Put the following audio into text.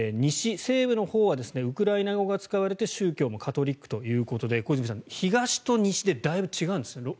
西部のほうはウクライナ語が使われて宗教もカトリックということで小泉さん、東と西でだいぶ違うんですね。